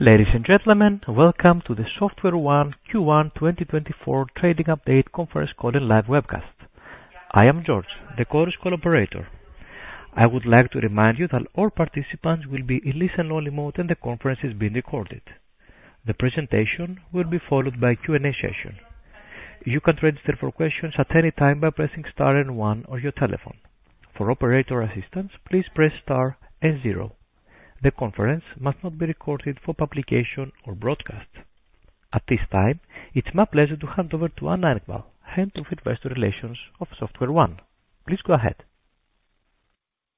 Ladies and gentlemen, welcome to the SoftwareOne Q1 2024 Trading Update Conference Call and Live Webcast. I am George, the call operator. I would like to remind you that all participants will be in listen-only mode and the conference is being recorded. The presentation will be followed by a Q&A session. You can register for questions at any time by pressing star and one on your telephone. For operator assistance, please press star and zero. The conference must not be recorded for publication or broadcast. At this time, it's my pleasure to hand over to Anna Engvall, Head of Investor Relations of SoftwareOne. Please go ahead.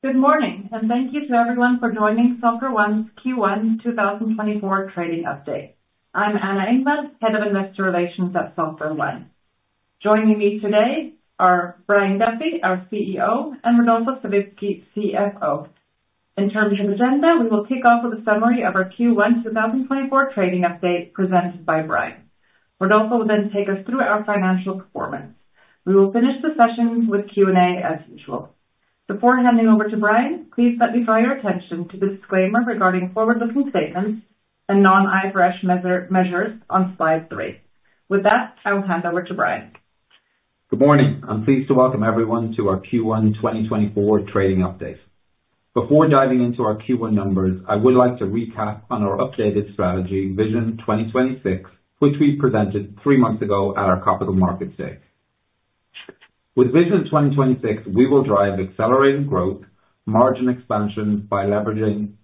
Good morning, and thank you to everyone for joining SoftwareOne's Q1 2024 Trading Update. I'm Anna Engvall, Head of Investor Relations at SoftwareOne. Joining me today are Brian Duffy, our CEO, and Rodolfo Savitzky, CFO. In terms of agenda, we will kick off with a summary of our Q1 2024 Trading Update presented by Brian. Rodolfo will then take us through our financial performance. We will finish the session with Q&A as usual. Before handing over to Brian, please let me draw your attention to the disclaimer regarding forward-looking statements and non-IFRS measures on slide three. With that, I will hand over to Brian. Good morning. I'm pleased to welcome everyone to our Q1 2024 Trading Update. Before diving into our Q1 numbers, I would like to recap on our updated strategy, Vision 2026, which we presented three months ago at our Capital Markets Day. With Vision 2026, we will drive accelerated growth, margin expansion by leveraging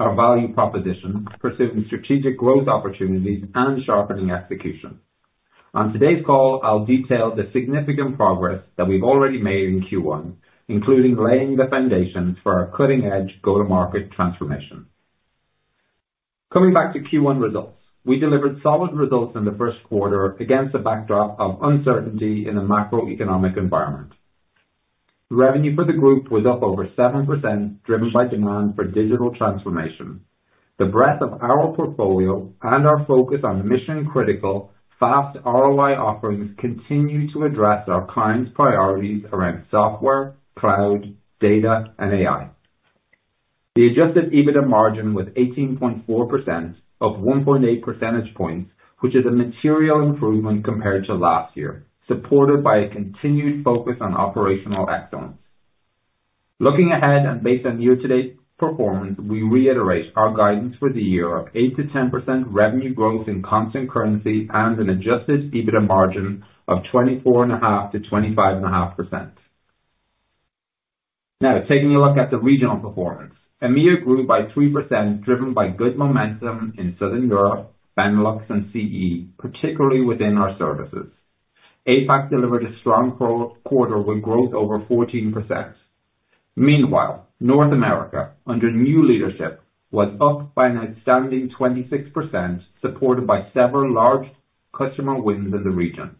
our value proposition, pursuing strategic growth opportunities, and sharpening execution. On today's call, I'll detail the significant progress that we've already made in Q1, including laying the foundations for our cutting-edge go-to-market transformation. Coming back to Q1 results, we delivered solid results in the first quarter against a backdrop of uncertainty in the macroeconomic environment. Revenue for the group was up over 7%, driven by demand for digital transformation. The breadth of our portfolio and our focus on mission-critical, fast ROI offerings continue to address our client's priorities around software, cloud, data, and AI.The adjusted EBITDA margin was 18.4%, up 1.8 percentage points, which is a material improvement compared to last year, supported by a continued focus on operational excellence. Looking ahead and based on year-to-date performance, we reiterate our guidance for the year of 8%-10% revenue growth in constant currency and an adjusted EBITDA margin of 24.5%-25.5%. Now, taking a look at the regional performance, EMEA grew by 3%, driven by good momentum in Southern Europe, Benelux, and CE, particularly within our services. APAC delivered a strong quarter with growth over 14%. Meanwhile, North America, under new leadership, was up by an outstanding 26%, supported by several large customer wins in the region.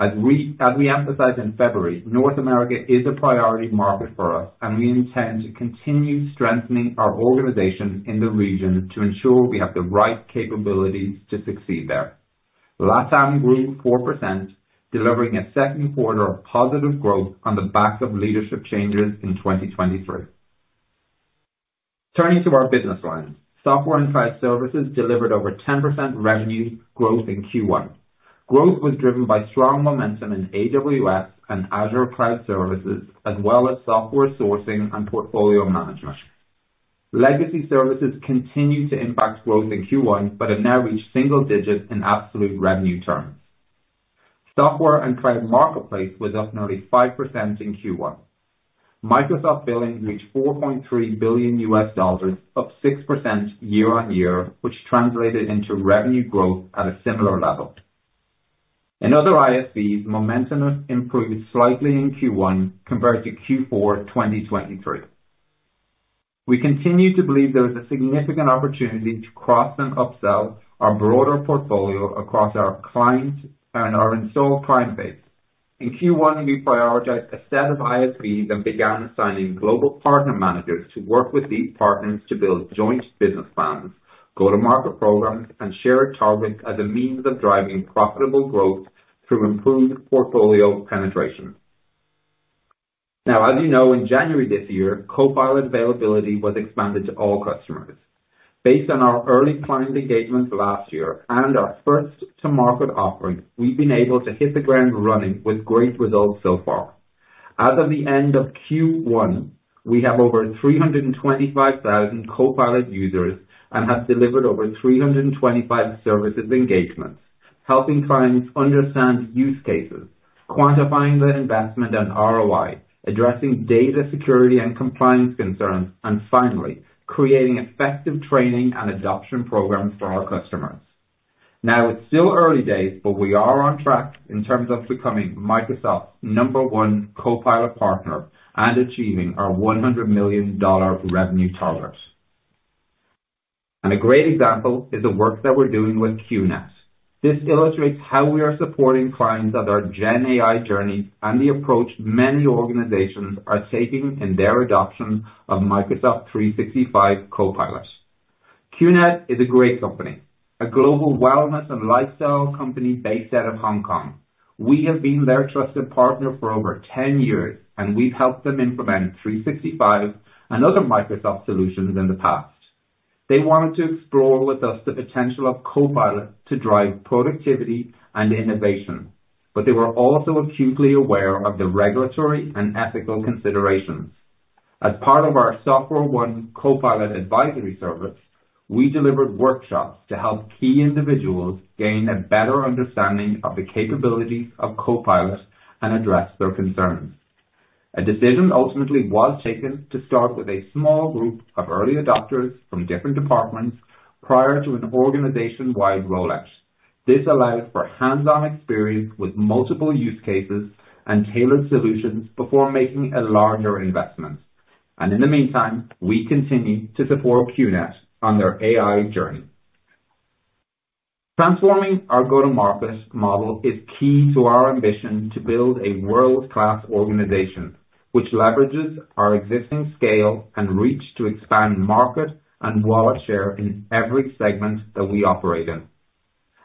As we emphasized in February, North America is a priority market for us, and we intend to continue strengthening our organization in the region to ensure we have the right capabilities to succeed there. LATAM grew 4%, delivering a second quarter of positive growth on the back of leadership changes in 2023. Turning to our business lines, SoftwareOne Cloud Services delivered over 10% revenue growth in Q1. Growth was driven by strong momentum in AWS and Azure Cloud Services, as well as software sourcing and portfolio management. Legacy services continue to impact growth in Q1 but have now reached single digits in absolute revenue terms. Software and Cloud Marketplace was up nearly 5% in Q1. Microsoft billings reached $4.3 billion, up 6% year-over-year, which translated into revenue growth at a similar level. In other ISVs, momentum improved slightly in Q1 compared to Q4 2023. We continue to believe there is a significant opportunity to cross and upsell our broader portfolio across our installed client base. In Q1, we prioritized a set of ISVs and began assigning global partner managers to work with these partners to build joint business plans, go-to-market programs, and shared targets as a means of driving profitable growth through improved portfolio penetration. Now, as you know, in January this year, Copilot availability was expanded to all customers. Based on our early client engagements last year and our first-to-market offering, we've been able to hit the ground running with great results so far. As of the end of Q1, we have over 325,000 Copilot users and have delivered over 325 services engagements, helping clients understand use cases, quantifying their investment and ROI, addressing data security and compliance concerns, and finally, creating effective training and adoption programs for our customers. Now, it's still early days, but we are on track in terms of becoming Microsoft's number one Copilot partner and achieving our $100 million revenue target. A great example is the work that we're doing with QNET. This illustrates how we are supporting clients on their Gen AI journey and the approach many organizations are taking in their adoption of Microsoft 365 Copilot. QNET is a great company, a global wellness and lifestyle company based out of Hong Kong. We have been their trusted partner for over 10 years, and we've helped them implement 365 and other Microsoft solutions in the past. They wanted to explore with us the potential of Copilot to drive productivity and innovation, but they were also acutely aware of the regulatory and ethical considerations. As part of our SoftwareOne Copilot advisory service, we delivered workshops to help key individuals gain a better understanding of the capabilities of Copilot and address their concerns. A decision ultimately was taken to start with a small group of early adopters from different departments prior to an organization-wide rollout. This allowed for hands-on experience with multiple use cases and tailored solutions before making a larger investment. In the meantime, we continue to support QNET on their AI journey. Transforming our go-to-market model is key to our ambition to build a world-class organization, which leverages our existing scale and reach to expand market and wallet share in every segment that we operate in.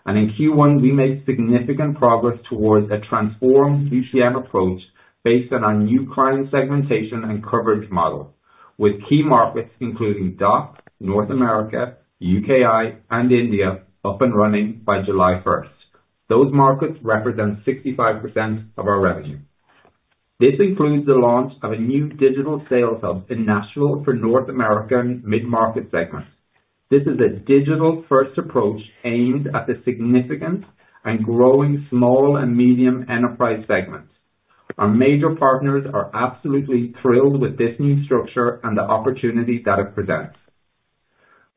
In Q1, we made significant progress towards a transformed UCM approach based on our new client segmentation and coverage model, with key markets including DACH, North America, UKI, and India up and running by July 1st. Those markets represent 65% of our revenue. This includes the launch of a new digital sales hub in Nashville for North American mid-market segments. This is a digital-first approach aimed at the significant and growing small and medium enterprise segments. Our major partners are absolutely thrilled with this new structure and the opportunity that it presents.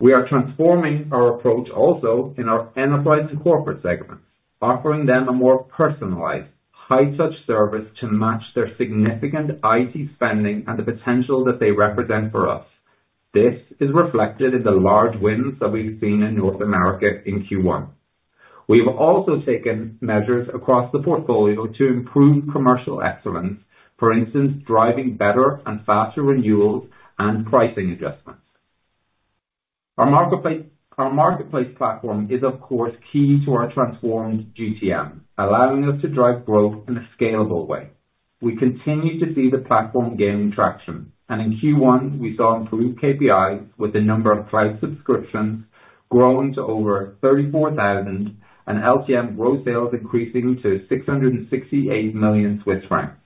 We are transforming our approach also in our enterprise and corporate segments, offering them a more personalized, high-touch service to match their significant IT spending and the potential that they represent for us. This is reflected in the large wins that we've seen in North America in Q1. We have also taken measures across the portfolio to improve commercial excellence, for instance, driving better and faster renewals and pricing adjustments. Our marketplace platform is, of course, key to our transformed GTM, allowing us to drive growth in a scalable way. We continue to see the platform gaining traction. And in Q1, we saw improved KPIs with the number of cloud subscriptions growing to over 34,000 and LTM gross sales increasing to 668 million Swiss francs.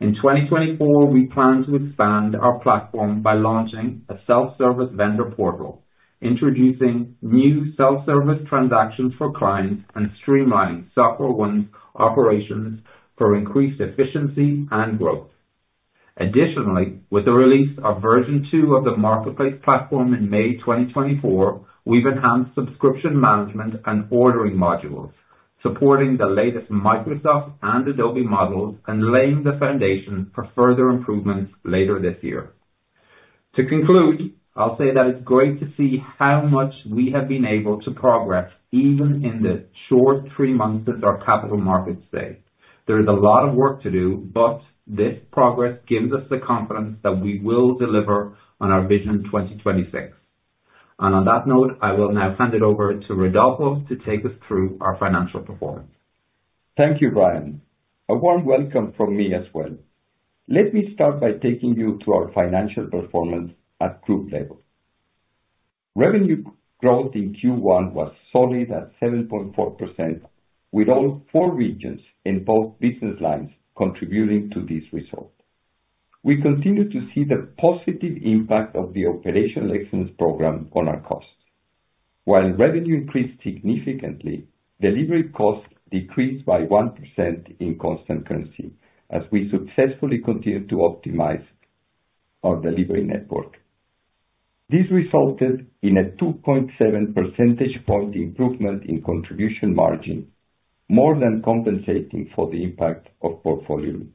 In 2024, we plan to expand our platform by launching a self-service vendor portal, introducing new self-service transactions for clients, and streamlining SoftwareOne's operations for increased efficiency and growth. Additionally, with the release of version 2 of the marketplace platform in May 2024, we've enhanced subscription management and ordering modules, supporting the latest Microsoft and Adobe models, and laying the foundation for further improvements later this year. To conclude, I'll say that it's great to see how much we have been able to progress even in the short three months since our Capital Markets Day. There is a lot of work to do, but this progress gives us the confidence that we will deliver on our Vision 2026. On that note, I will now hand it over to Rodolfo to take us through our financial performance. Thank you, Brian. A warm welcome from me as well. Let me start by taking you through our financial performance at group level. Revenue growth in Q1 was solid at 7.4%, with all four regions in both business lines contributing to this result. We continue to see the positive impact of the operational excellence program on our costs. While revenue increased significantly, delivery costs decreased by 1% in constant currency as we successfully continued to optimize our delivery network. This resulted in a 2.7 percentage point improvement in contribution margin, more than compensating for the impact of portfolio mix.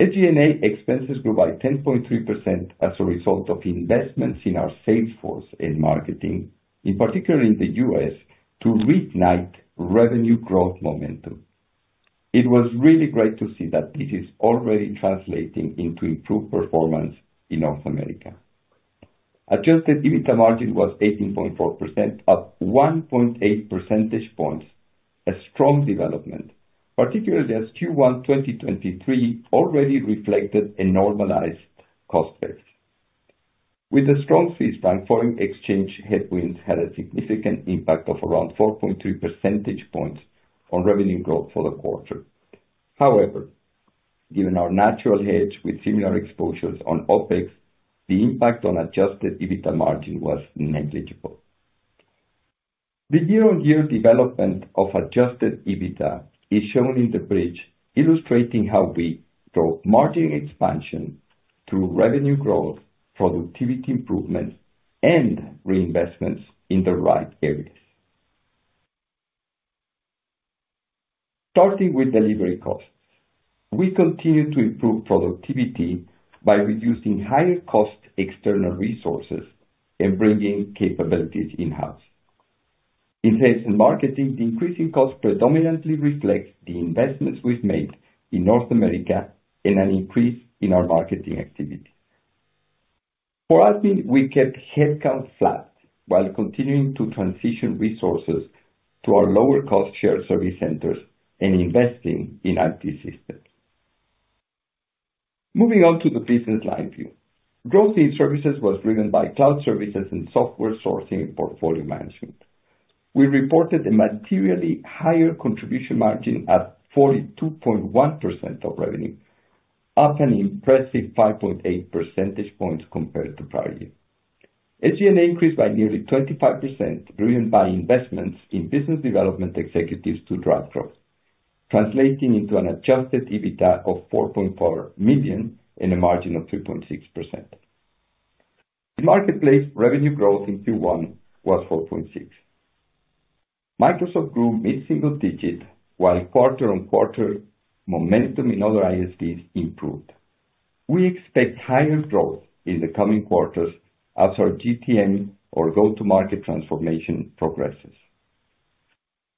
SG&A expenses grew by 10.3% as a result of investments in our sales force and marketing, in particular in the U.S., to reignite revenue growth momentum. It was really great to see that this is already translating into improved performance in North America. Adjusted EBITDA margin was 18.4%, up 1.8 percentage points, a strong development, particularly as Q1 2023 already reflected a normalized cost base. With the strong Swiss franc, foreign exchange headwinds had a significant impact of around 4.3 percentage points on revenue growth for the quarter. However, given our natural hedge with similar exposures on OpEx, the impact on adjusted EBITDA margin was negligible. The year-on-year development of adjusted EBITDA is shown in the bridge, illustrating how we draw margin expansion through revenue growth, productivity improvements, and reinvestments in the right areas. Starting with delivery costs, we continue to improve productivity by reducing higher-cost external resources and bringing capabilities in-house. In sales and marketing, the increasing costs predominantly reflect the investments we've made in North America and an increase in our marketing activity. For admin, we kept headcount flat while continuing to transition resources to our lower-cost shared service centers and investing in IT systems. Moving on to the business line view, growth in services was driven by cloud services and software sourcing and portfolio management. We reported a materially higher contribution margin at 42.1% of revenue, up an impressive 5.8 percentage points compared to prior year. SG&A increased by nearly 25%, driven by investments in business development executives to drive growth, translating into an adjusted EBITDA of 4.4 million and a margin of 3.6%. Marketplace revenue growth in Q1 was 4.6%. Microsoft grew mid-single digit, while quarter-on-quarter momentum in other ISVs improved. We expect higher growth in the coming quarters as our GTM or go-to-market transformation progresses.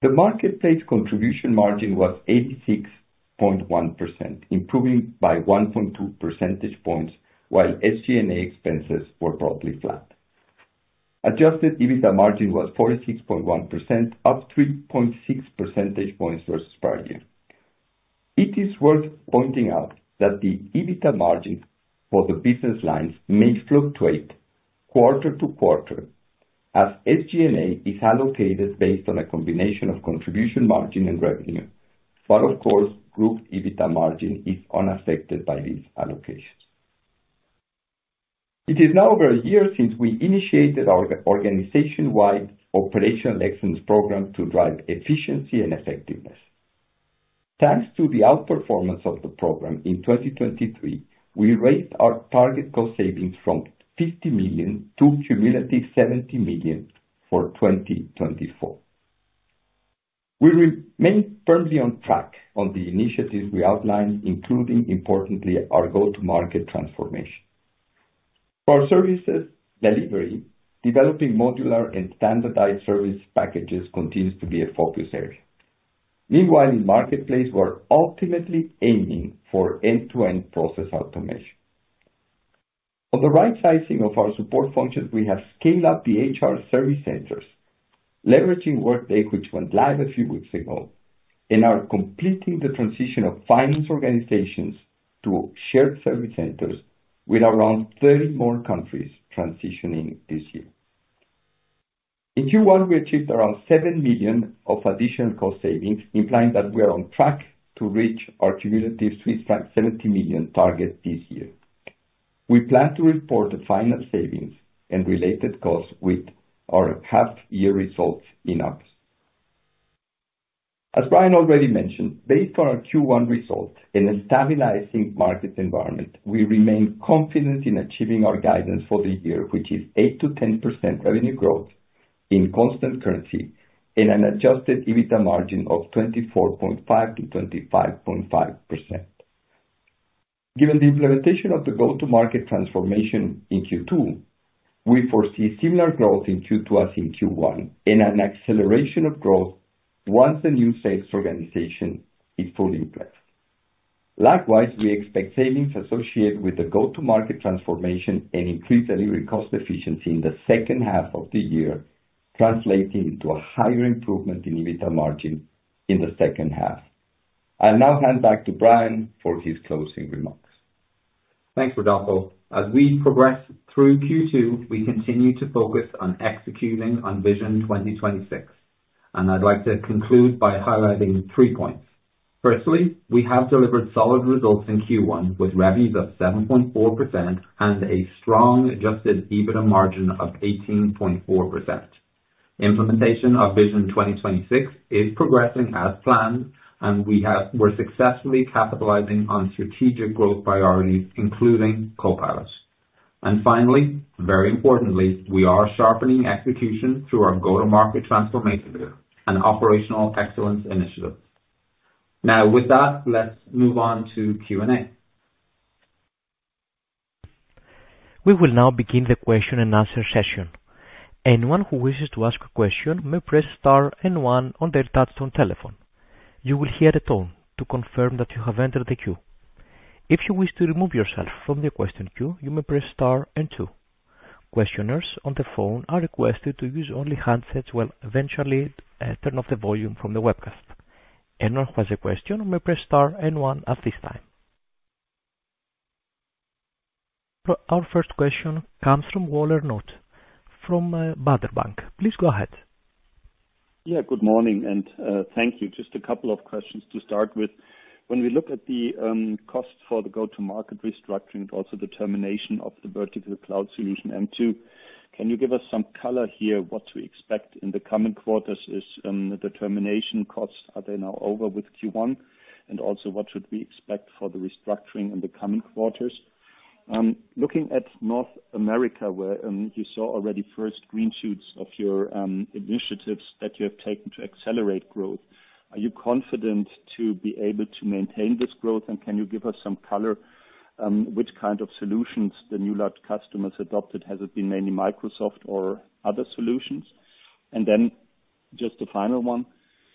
The marketplace contribution margin was 86.1%, improving by 1.2 percentage points while SG&A expenses were broadly flat. Adjusted EBITDA margin was 46.1%, up 3.6 percentage points versus prior year. It is worth pointing out that the EBITDA margin for the business lines may fluctuate quarter-to-quarter as SG&A is allocated based on a combination of contribution margin and revenue. But, of course, group EBITDA margin is unaffected by these allocations. It is now over a year since we initiated our organization-wide operational excellence program to drive efficiency and effectiveness. Thanks to the outperformance of the program in 2023, we raised our target cost savings from 50 million to cumulative 70 million for 2024. We remain firmly on track on the initiatives we outlined, including, importantly, our go-to-market transformation. For our services delivery, developing modular and standardized service packages continues to be a focus area. Meanwhile, in marketplace, we're ultimately aiming for end-to-end process automation. On the right sizing of our support functions, we have scaled up the HR service centers, leveraging Workday, which went live a few weeks ago, and are completing the transition of finance organizations to shared service centers with around 30 more countries transitioning this year. In Q1, we achieved around 7 million of additional cost savings, implying that we are on track to reach our cumulative Swiss franc 70 million target this year. We plan to report the final savings and related costs with our half-year results in-house. As Brian already mentioned, based on our Q1 result and a stabilizing market environment, we remain confident in achieving our guidance for the year, which is 8%-10% revenue growth in constant currency and an adjusted EBITDA margin of 24.5%-25.5%. Given the implementation of the go-to-market transformation in Q2, we foresee similar growth in Q2 as in Q1 and an acceleration of growth once the new sales organization is fully in place. Likewise, we expect savings associated with the go-to-market transformation and increased delivery cost efficiency in the second half of the year, translating into a higher improvement in EBITDA margin in the second half. I'll now hand back to Brian for his closing remarks. Thanks, Rodolfo. As we progress through Q2, we continue to focus on executing on Vision 2026. I'd like to conclude by highlighting three points. Firstly, we have delivered solid results in Q1 with revenues of 7.4% and a strong adjusted EBITDA margin of 18.4%. Implementation of Vision 2026 is progressing as planned, and we're successfully capitalizing on strategic growth priorities, including Copilot. Finally, very importantly, we are sharpening execution through our go-to-market transformation and operational excellence initiatives. Now, with that, let's move on to Q&A. We will now begin the question-and-answer session. Anyone who wishes to ask a question may press star and one on their touch-tone telephone. You will hear a tone to confirm that you have entered the queue. If you wish to remove yourself from the question queue, you may press star and two. Questioners on the phone are requested to use only handsets while we eventually turn off the volume from the webcast. Anyone who has a question may press star and one at this time. Our first question comes from Woller Knut from Baaderbank. Please go ahead. Yeah, good morning. And thank you. Just a couple of questions to start with. When we look at the cost for the go-to-market restructuring and also determination of the vertical cloud solution MTWO, can you give us some color here what to expect in the coming quarters? Is the determination cost, are they now over with Q1? And also, what should we expect for the restructuring in the coming quarters? Looking at North America, where you saw already first green shoots of your initiatives that you have taken to accelerate growth, are you confident to be able to maintain this growth? And can you give us some color which kind of solutions the new large customers adopted? Has it been mainly Microsoft or other solutions? And then just the final one,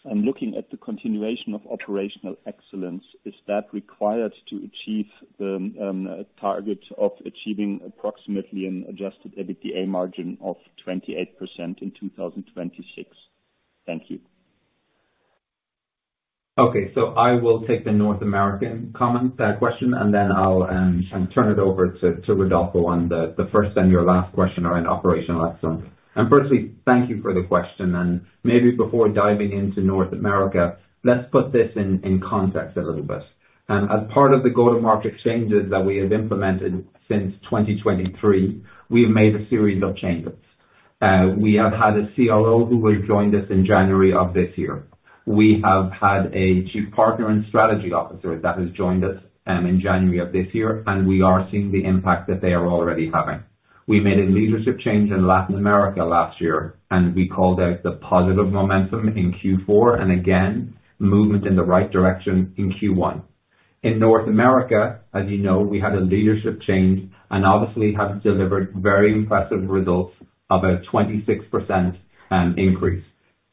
looking at the continuation of operational excellence, is that required to achieve the target of achieving approximately an adjusted MDA margin of 28% in 2026? Thank you. Okay. So I will take the North American comment, that question, and then I'll turn it over to Rodolfo on the first and your last question around operational excellence. Firstly, thank you for the question. Maybe before diving into North America, let's put this in context a little bit. As part of the go-to-market changes that we have implemented since 2023, we have made a series of changes. We have had a CRO who has joined us in January of this year. We have had a Chief Partner and Strategy Officer that has joined us in January of this year, and we are seeing the impact that they are already having. We made a leadership change in Latin America last year, and we called out the positive momentum in Q4 and, again, movement in the right direction in Q1. In North America, as you know, we had a leadership change and obviously have delivered very impressive results of a 26% increase.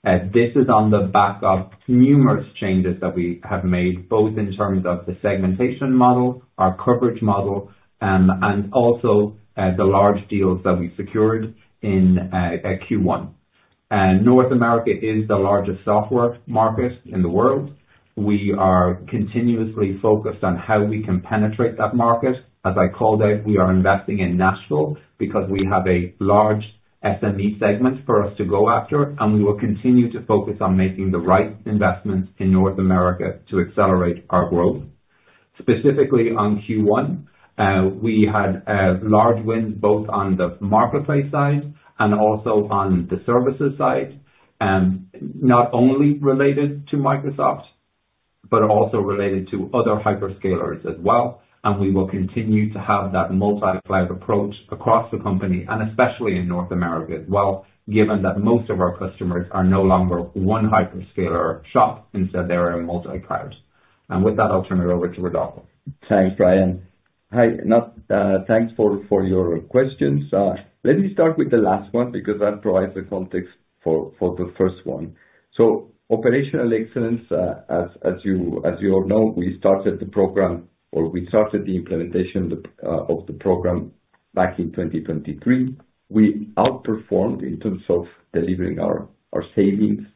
This is on the back of numerous changes that we have made, both in terms of the segmentation model, our coverage model, and also the large deals that we secured in Q1. North America is the largest software market in the world. We are continuously focused on how we can penetrate that market. As I called out, we are investing in Nashville because we have a large SME segment for us to go after, and we will continue to focus on making the right investments in North America to accelerate our growth. Specifically on Q1, we had large wins both on the marketplace side and also on the services side, not only related to Microsoft but also related to other hyperscalers as well. We will continue to have that multi-cloud approach across the company and especially in North America as well, given that most of our customers are no longer one hyperscaler shop. Instead, they are a multi-cloud. With that, I'll turn it over to Rodolfo. Thanks, Brian. Hi, thanks for your questions. Let me start with the last one because that provides the context for the first one. So operational excellence, as you all know, we started the program or we started the implementation of the program back in 2023. We outperformed in terms of delivering our savings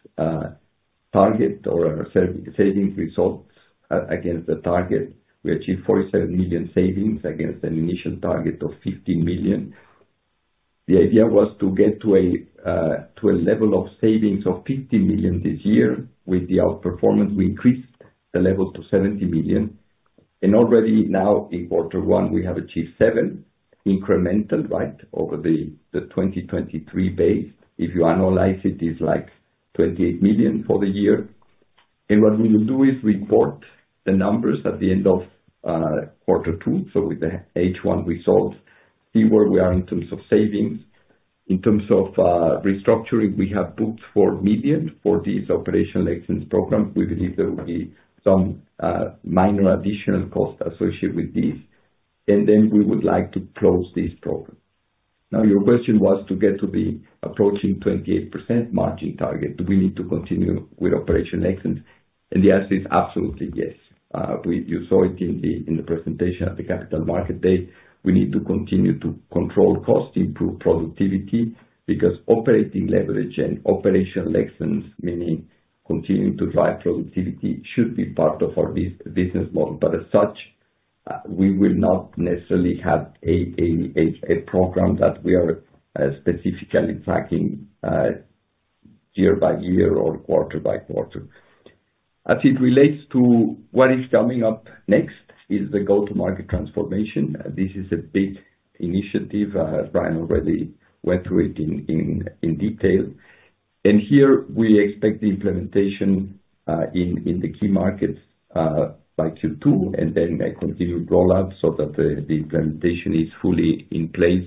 target or our savings results against the target. We achieved 47 million savings against an initial target of 15 million. The idea was to get to a level of savings of 15 million this year. With the outperformance, we increased the level to 70 million. And already now, in quarter one, we have achieved 7 incremental, right, over the 2023 base. If you analyze it, it's like 28 million for the year. And what we will do is report the numbers at the end of quarter two. So with the H1 results, see where we are in terms of savings. In terms of restructuring, we have booked 4 million for these operational excellence programs. We believe there will be some minor additional cost associated with these. And then we would like to close this program. Now, your question was to get to the approaching 28% margin target. Do we need to continue with operational excellence? And the answer is absolutely yes. You saw it in the presentation at the capital market day. We need to continue to control cost, improve productivity because operating leverage and operational excellence, meaning continuing to drive productivity, should be part of our business model. But as such, we will not necessarily have a program that we are specifically tracking year by year or quarter by quarter. As it relates to what is coming up next is the go-to-market transformation. This is a big initiative. Brian already went through it in detail. Here, we expect the implementation in the key markets by Q2 and then continue rollout so that the implementation is fully in place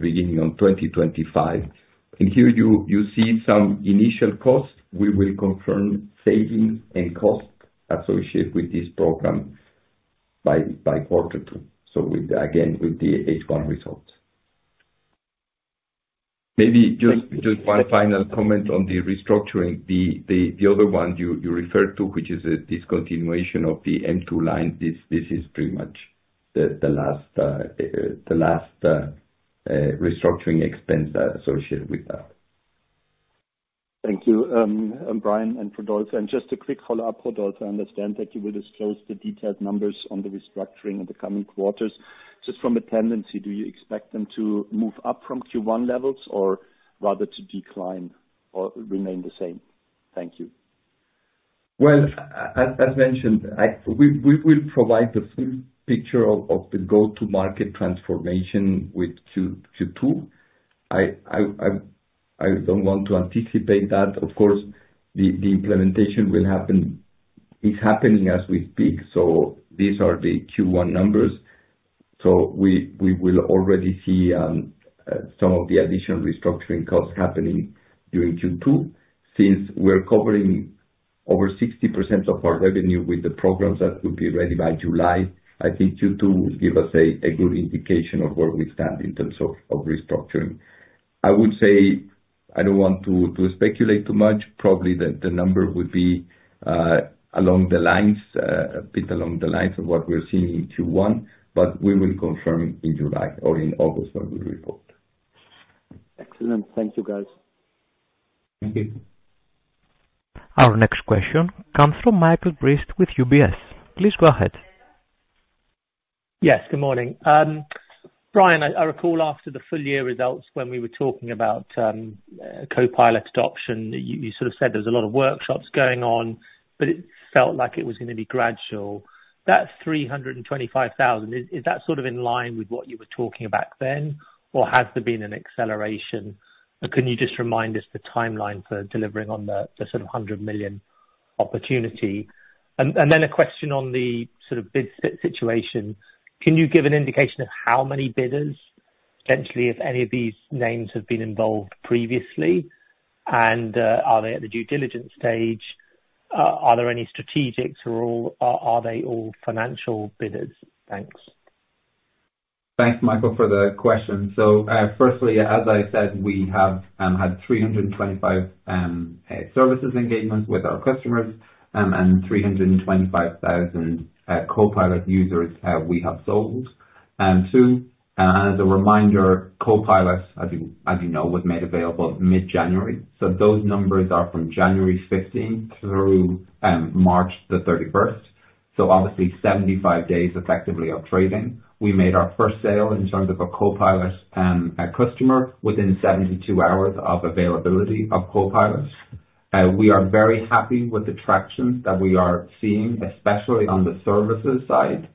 beginning on 2025. Here, you see some initial cost. We will confirm savings and costs associated with this program by quarter two, again, with the H1 results. Maybe just one final comment on the restructuring. The other one you referred to, which is the discontinuation of the M2 line, this is pretty much the last restructuring expense associated with that. Thank you, Brian and Rodolfo. Just a quick follow-up, Rodolfo. I understand that you will disclose the detailed numbers on the restructuring in the coming quarters. Just from a tendency, do you expect them to move up from Q1 levels or rather to decline or remain the same? Thank you. Well, as mentioned, we will provide the full picture of the go-to-market transformation with Q2. I don't want to anticipate that. Of course, the implementation is happening as we speak. So these are the Q1 numbers. So we will already see some of the additional restructuring costs happening during Q2 since we're covering over 60% of our revenue with the programs that will be ready by July. I think Q2 will give us a good indication of where we stand in terms of restructuring. I would say I don't want to speculate too much. Probably the number would be a bit along the lines of what we're seeing in Q1, but we will confirm in July or in August when we report. Excellent. Thank you, guys. Thank you. Our next question comes from Michael Briest with UBS. Please go ahead. Yes. Good morning. Brian, I recall after the full-year results when we were talking about Copilot adoption, you sort of said there was a lot of workshops going on, but it felt like it was going to be gradual. That 325,000, is that sort of in line with what you were talking about then, or has there been an acceleration? Can you just remind us the timeline for delivering on the sort of 100 million opportunity? And then a question on the sort of bid split situation. Can you give an indication of how many bidders, potentially, if any of these names have been involved previously, and are they at the due diligence stage? Are there any strategics, or are they all financial bidders? Thanks. Thanks, Michael, for the question. So firstly, as I said, we have had 325 services engagements with our customers and 325,000 Copilot users we have sold. And two, as a reminder, Copilot, as you know, was made available mid-January. So those numbers are from January 15th through March 31st. So obviously, 75 days effectively of trading. We made our first sale in terms of a Copilot customer within 72 hours of availability of Copilot. We are very happy with the traction that we are seeing, especially on the services side.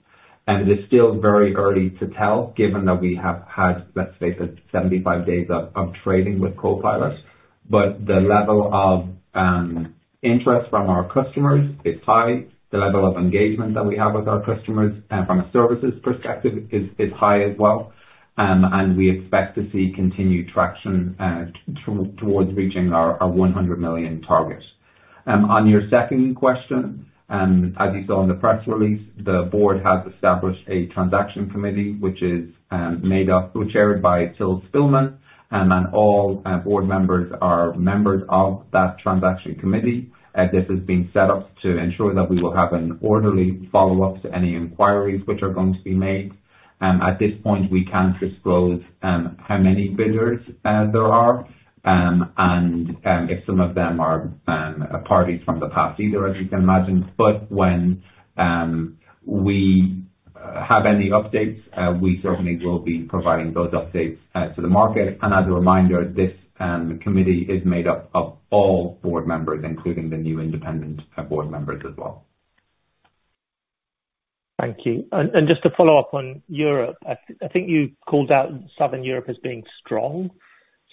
And it is still very early to tell given that we have had, let's say, 75 days of trading with Copilot. But the level of interest from our customers is high. The level of engagement that we have with our customers from a services perspective is high as well. We expect to see continued traction towards reaching our 100 million target. On your second question, as you saw in the press release, the board has established a transaction committee, which is chaired by Till Spillmann. All board members are members of that transaction committee. This has been set up to ensure that we will have an orderly follow-up to any inquiries which are going to be made. At this point, we can't disclose how many bidders there are and if some of them are parties from the past either, as you can imagine. But when we have any updates, we certainly will be providing those updates to the market. As a reminder, this committee is made up of all board members, including the new independent board members as well. Thank you. And just to follow up on Europe, I think you called out Southern Europe as being strong.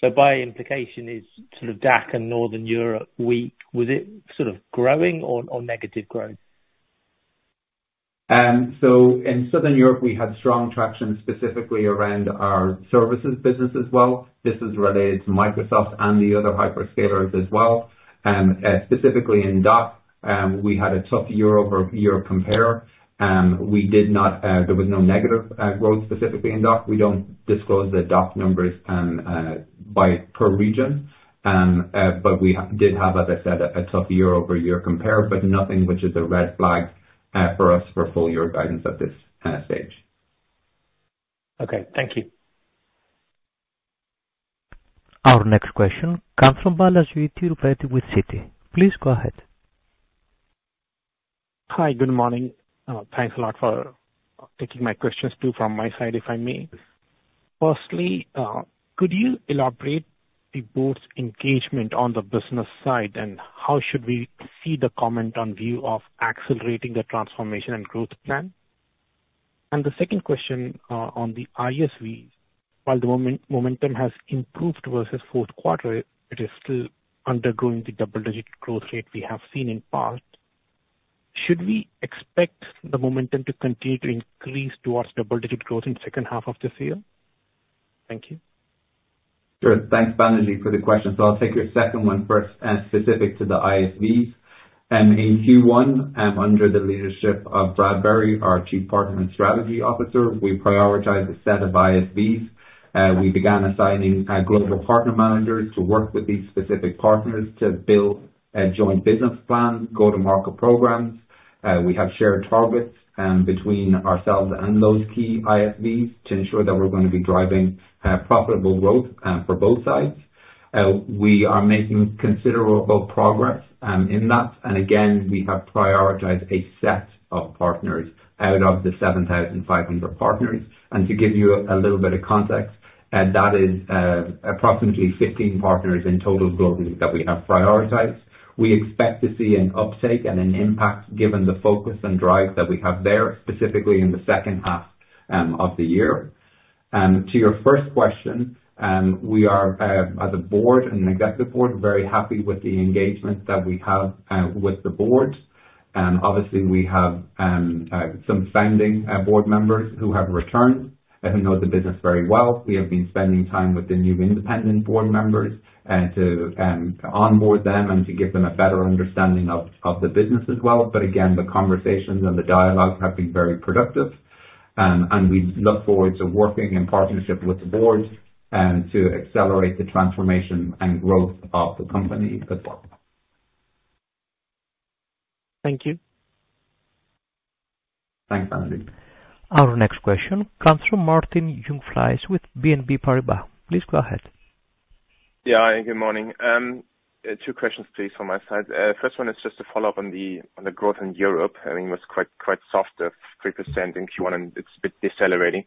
So by implication, is sort of DAC and Northern Europe weak? Was it sort of growing or negative growth? In Southern Europe, we had strong traction specifically around our services business as well. This is related to Microsoft and the other hyperscalers as well. Specifically in DAC, we had a tough year-over-year compare. There was no negative growth specifically in DAC. We don't disclose the DAC numbers per region. We did have, as I said, a tough year-over-year compare, but nothing which is a red flag for us for full-year guidance at this stage. Okay. Thank you. Our next question comes from Balajee Tirupati with Citi. Please go ahead. Hi. Good morning. Thanks a lot for taking my questions too from my side, if I may. Firstly, could you elaborate on the board's engagement on the business side, and how should we see the comment in view of accelerating the transformation and growth plan? And the second question on the ISV, while the momentum has improved versus fourth quarter, it is still under the double-digit growth rate we have seen in the past. Should we expect the momentum to continue to increase towards double-digit growth in the second half of this year? Thank you. Sure. Thanks, Balaji, for the question. So I'll take your second one first, specific to the ISVs. In Q1, under the leadership of Bradbury, our Chief Partner and Strategy Officer, we prioritized a set of ISVs. We began assigning global partner managers to work with these specific partners to build joint business plans, go-to-market programs. We have shared targets between ourselves and those key ISVs to ensure that we're going to be driving profitable growth for both sides. We are making considerable progress in that. And again, we have prioritized a set of partners out of the 7,500 partners. And to give you a little bit of context, that is approximately 15 partners in total globally that we have prioritized. We expect to see an uptake and an impact given the focus and drive that we have there, specifically in the second half of the year. To your first question, we are, as a board and an executive board, very happy with the engagement that we have with the board. Obviously, we have some founding board members who have returned and who know the business very well. We have been spending time with the new independent board members to onboard them and to give them a better understanding of the business as well. But again, the conversations and the dialogue have been very productive. We look forward to working in partnership with the board to accelerate the transformation and growth of the company as well. Thank you. Thanks, Balajee. Our next question comes from Martin Jungfleisch with BNP Paribas. Please go ahead. Yeah. Hi. Good morning. Two questions, please, from my side. First one is just a follow-up on the growth in Europe. I mean, it was quite soft, 3% in Q1, and it's a bit decelerating.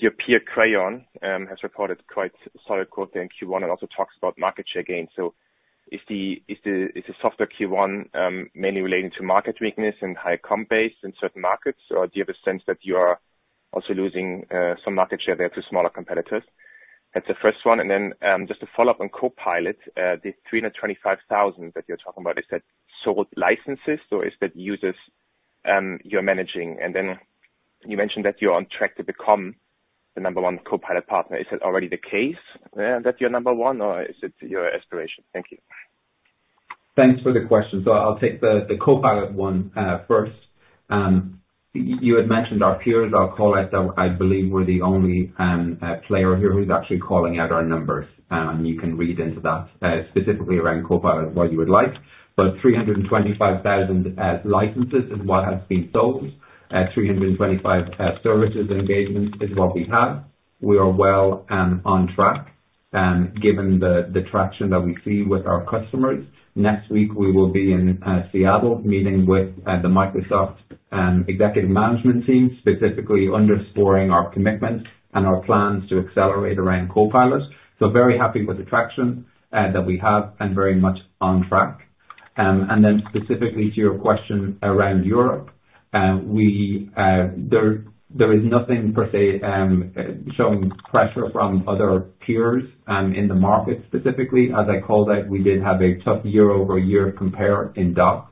Your peer, Crayon, has reported quite solid growth there in Q1 and also talks about market share gains. So is the softer Q1 mainly relating to market weakness and higher comp base in certain markets, or do you have a sense that you are also losing some market share there to smaller competitors? That's the first one. And then just a follow-up on Copilot. The 325,000 that you're talking about, is that sold licenses, or is that users you're managing? And then you mentioned that you're on track to become the number one Copilot partner. Is that already the case that you're number one, or is it your aspiration? Thank you. Thanks for the question. So I'll take the Copilot one first. You had mentioned our peers, our callers, that I believe were the only player here who's actually calling out our numbers. And you can read into that specifically around Copilot what you would like. But 325,000 licenses is what has been sold. 325 services engagements is what we have. We are well on track given the traction that we see with our customers. Next week, we will be in Seattle meeting with the Microsoft executive management team, specifically underscoring our commitment and our plans to accelerate around Copilot. So very happy with the traction that we have and very much on track. And then specifically to your question around Europe, there is nothing per se showing pressure from other peers in the market specifically. As I called out, we did have a tough year-over-year compare in DAC.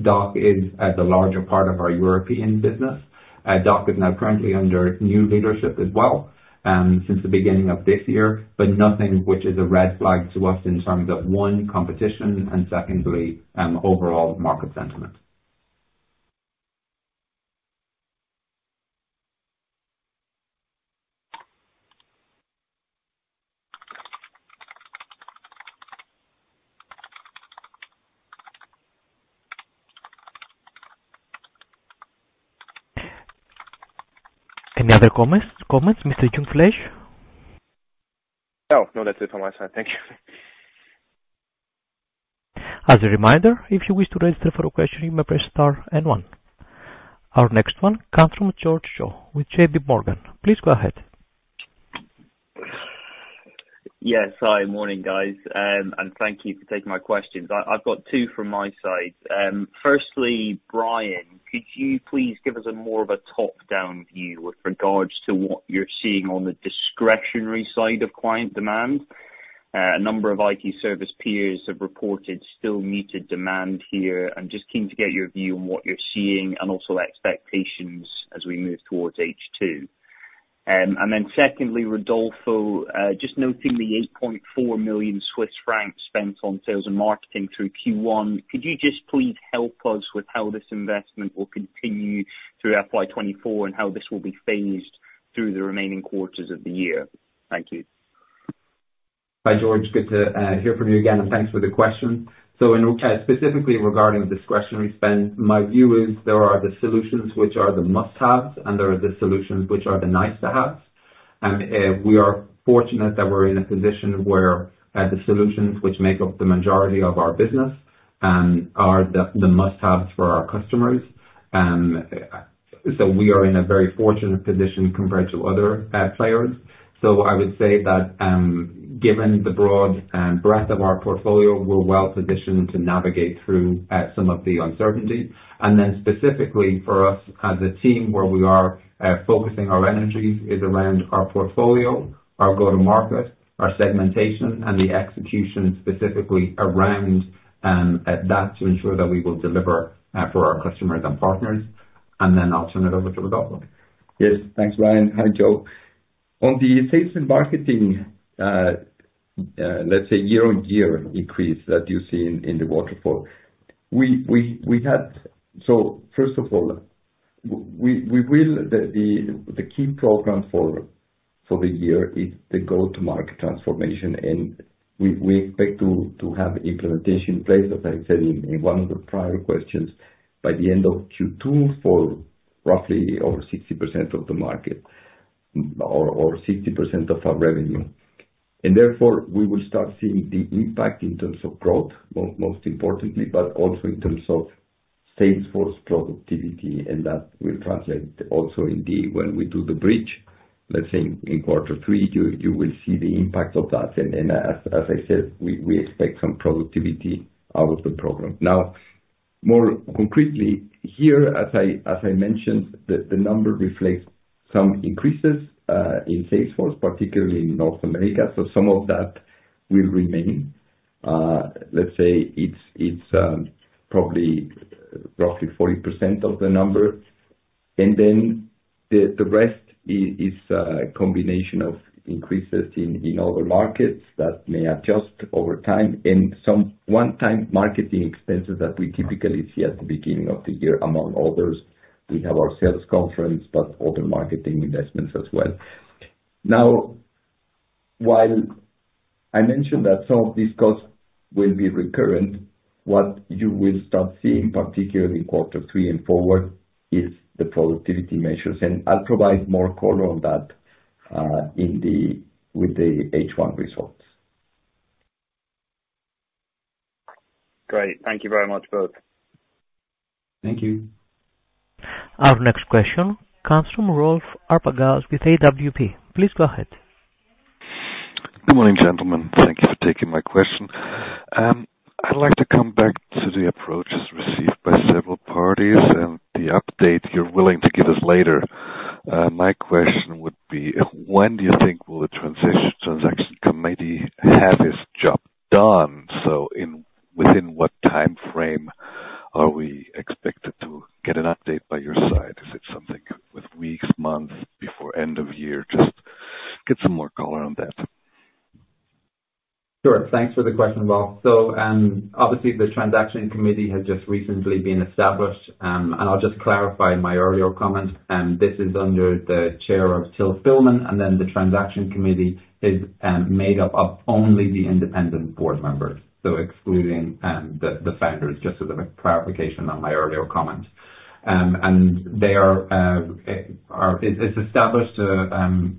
DAC is the larger part of our European business. DAC is now currently under new leadership as well since the beginning of this year, but nothing which is a red flag to us in terms of, one, competition and secondly, overall market sentiment. Any other comments? Mr. Jungfleisch? No. No. That's it from my side. Thank you. As a reminder, if you wish to register for a question, you may press star and one. Our next one comes from Joe George with J.P. Morgan. Please go ahead. Yes. Hi. Morning, guys. Thank you for taking my questions. I've got two from my side. Firstly, Brian, could you please give us more of a top-down view with regards to what you're seeing on the discretionary side of client demand? A number of IT service peers have reported still muted demand here. I'm just keen to get your view on what you're seeing and also expectations as we move towards H2. Then secondly, Rodolfo, just noting the 8.4 million Swiss francs spent on sales and marketing through Q1, could you just please help us with how this investment will continue through FY24 and how this will be phased through the remaining quarters of the year? Thank you. Hi, George. Good to hear from you again, and thanks for the question. So specifically regarding discretionary spend, my view is there are the solutions which are the must-haves, and there are the solutions which are the nice-to-haves. We are fortunate that we're in a position where the solutions which make up the majority of our business are the must-haves for our customers. So we are in a very fortunate position compared to other players. So I would say that given the broad breadth of our portfolio, we're well positioned to navigate through some of the uncertainty. And then specifically for us as a team, where we are focusing our energies is around our portfolio, our go-to-market, our segmentation, and the execution specifically around that to ensure that we will deliver for our customers and partners. And then I'll turn it over to Rodolfo. Yes. Thanks, Brian. Hi, Joe. On the sales and marketing, let's say, year-on-year increase that you see in the waterfall, we had. So first of all, the key program for the year is the go-to-market transformation. We expect to have implementation in place, as I said in one of the prior questions, by the end of Q2 for roughly over 60% of the market or 60% of our revenue. Therefore, we will start seeing the impact in terms of growth, most importantly, but also in terms of sales force productivity. That will translate also indeed when we do the bridge, let's say, in quarter three. You will see the impact of that. As I said, we expect some productivity out of the program. Now, more concretely here, as I mentioned, the number reflects some increases in sales force, particularly in North America. So some of that will remain. Let's say it's probably roughly 40% of the number. And then the rest is a combination of increases in other markets that may adjust over time and some one-time marketing expenses that we typically see at the beginning of the year. Among others, we have our sales conference but other marketing investments as well. Now, while I mentioned that some of these costs will be recurrent, what you will start seeing, particularly quarter three and forward, is the productivity measures. And I'll provide more color on that with the H1 results. Great. Thank you very much, both. Thank you. Our next question comes from Rolf uncertain with AWP. Please go ahead. Good morning, gentlemen. Thank you for taking my question. I'd like to come back to the approaches received by several parties and the update you're willing to give us later. My question would be, when do you think will the transaction committee have its job done? So within what time frame are we expected to get an update by your side? Is it something with weeks, months, before end of year? Just get some more color on that. Sure. Thanks for the question, Rolf. So obviously, the transaction committee has just recently been established. I'll just clarify my earlier comment. This is under the Chair of Till Spillmann. The transaction committee is made up of only the independent board members, so excluding the founders, just as a clarification on my earlier comment. It's established to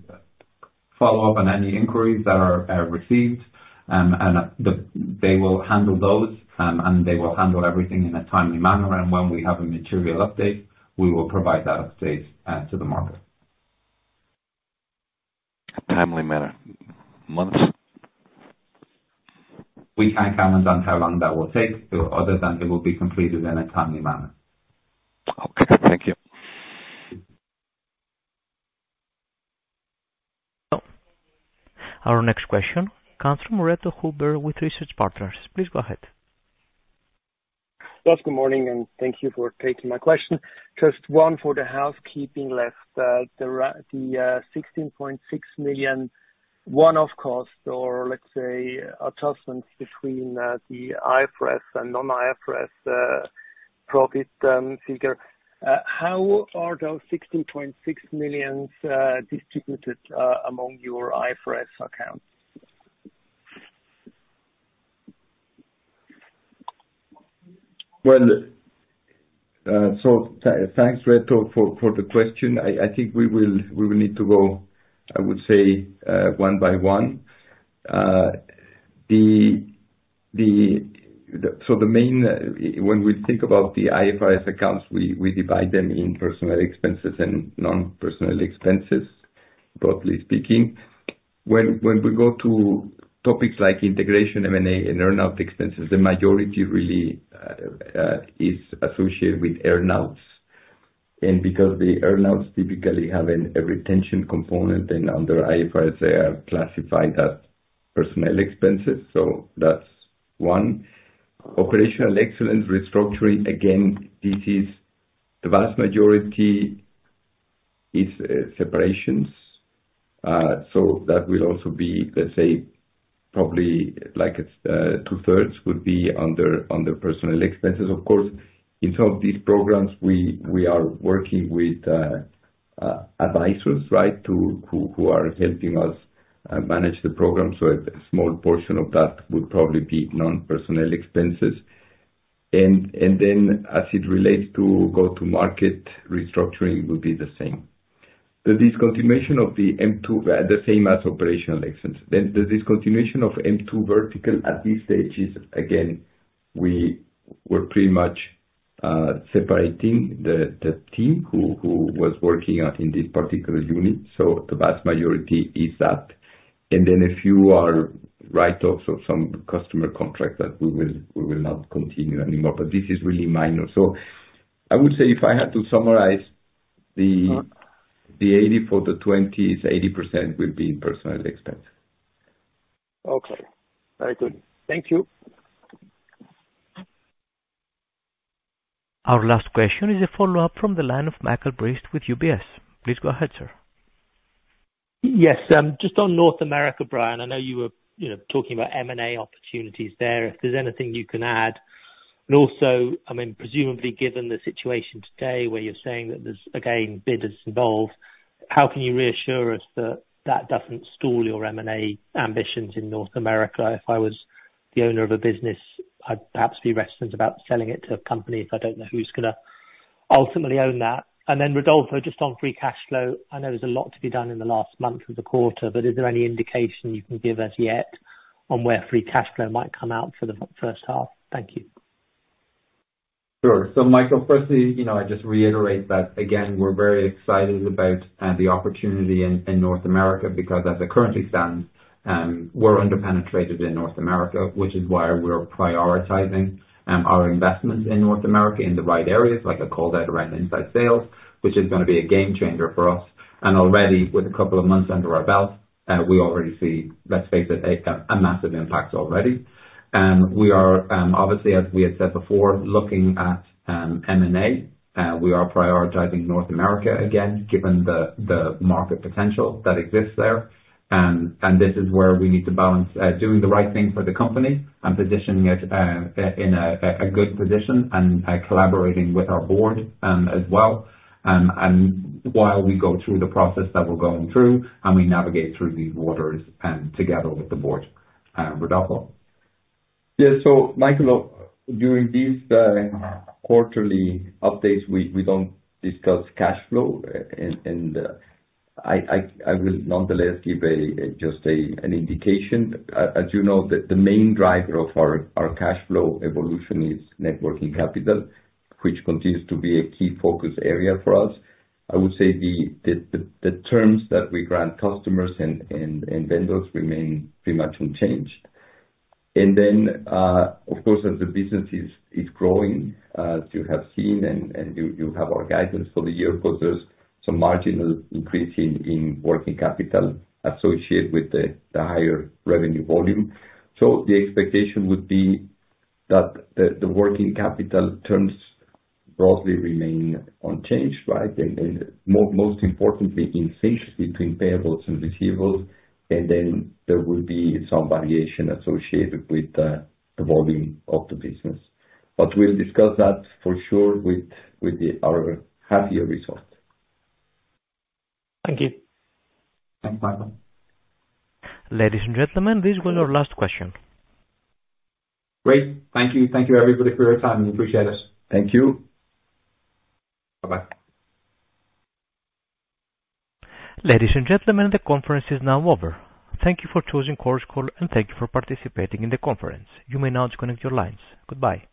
follow up on any inquiries that are received. They will handle those, and they will handle everything in a timely manner. When we have a material update, we will provide that update to the market. A timely manner. Months? We can't comment on how long that will take other than it will be completed in a timely manner. Okay. Thank you. Our next question comes from Reto Huber with Research Partners. Please go ahead. Yes. Good morning. And thank you for taking my question. Just one for the housekeeping left. The 16.6 million one-off cost or, let's say, adjustments between the IFRS and non-IFRS profit figure, how are those 16.6 millions distributed among your IFRS accounts? Well, so thanks, Reto, for the question. I think we will need to go, I would say, one by one. So when we think about the IFRS accounts, we divide them in personal expenses and non-personal expenses, broadly speaking. When we go to topics like integration, M&A, and earnout expenses, the majority really is associated with earnouts. And because the earnouts typically have a retention component, then under IFRS, they are classified as personal expenses. So that's one. Operational excellence restructuring, again, the vast majority is separations. So that will also be, let's say, probably two-thirds would be under personal expenses. Of course, in some of these programs, we are working with advisors, right, who are helping us manage the program. So a small portion of that would probably be non-personal expenses. And then as it relates to go-to-market restructuring, it would be the same. The discontinuation of the M2 the same as operational excellence. Then the discontinuation of M2 vertical, at this stage, is again, we were pretty much separating the team who was working in this particular unit. So the vast majority is that. And then a few are write-offs of some customer contracts that we will not continue anymore. But this is really minor. So I would say if I had to summarize the 80/20, 80% will be in personnel expenses. Okay. Very good. Thank you. Our last question is a follow-up from the line of Michael Briest with UBS. Please go ahead, sir. Yes. Just on North America, Brian, I know you were talking about M&A opportunities there. If there's anything you can add. And also, I mean, presumably given the situation today where you're saying that there's, again, bidders involved, how can you reassure us that that doesn't stall your M&A ambitions in North America? If I was the owner of a business, I'd perhaps be reticent about selling it to a company if I don't know who's going to ultimately own that. And then Rodolfo, just on free cash flow, I know there's a lot to be done in the last month of the quarter, but is there any indication you can give us yet on where free cash flow might come out for the first half? Thank you. Sure. So Michael Briest, I just reiterate that, again, we're very excited about the opportunity in North America because, as it currently stands, we're underpenetrated in North America, which is why we're prioritizing our investments in North America in the right areas, like I called out around inside sales, which is going to be a game-changer for us. And already with a couple of months under our belt, we already see, let's face it, a massive impact already. And we are, obviously, as we had said before, looking at M&A. We are prioritizing North America again given the market potential that exists there. This is where we need to balance doing the right thing for the company and positioning it in a good position and collaborating with our board as well while we go through the process that we're going through and we navigate through these waters together with the board. Rodolfo? Yes. So Michael, during these quarterly updates, we don't discuss cash flow. And I will nonetheless give just an indication. As you know, the main driver of our cash flow evolution is net working capital, which continues to be a key focus area for us. I would say the terms that we grant customers and vendors remain pretty much unchanged. And then, of course, as the business is growing, as you have seen, and you have our guidance for the year because there's some marginal increase in working capital associated with the higher revenue volume. So the expectation would be that the working capital terms broadly remain unchanged, right, and most importantly, in sync between payables and receivables. And then there would be some variation associated with the volume of the business. But we'll discuss that for sure with our half-year result. Thank you. Thanks, Michael. Ladies and gentlemen, this was our last question. Great. Thank you. Thank you, everybody, for your time. We appreciate it. Thank you. Bye-bye. Ladies and gentlemen, the conference is now over. Thank you for choosing Chorus Call, and thank you for participating in the conference. You may now disconnect your lines. Goodbye.